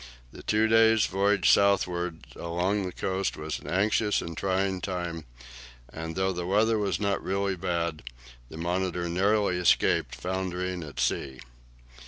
The two days' voyage southwards along the coast was an anxious and trying time, and though the weather was not really bad, the "Monitor" narrowly escaped foundering at sea.